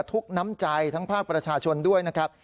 ทุกข์น้ำใจทั้งภาคประชาชนด้วยนะครับ